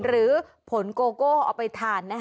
หรือผลโกโก้เอาไปทาน